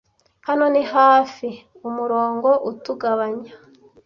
hano ni hafi umurongo utugabanya